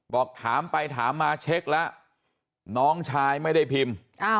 บอกถามไปถามมาเช็คแล้วน้องชายไม่ได้พิมพ์